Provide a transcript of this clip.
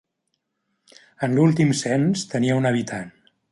En l'últim cens tenia un habitant.